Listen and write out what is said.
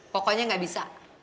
pokoknya gak bisa